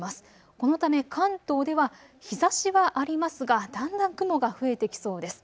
このため関東では日ざしはありますが、だんだん雲が増えてきそうです。